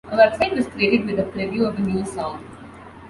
A website was created with a preview of a new song.